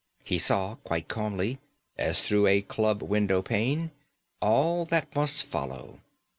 He saw quite calmly, as through a club windowpane, all that must follow.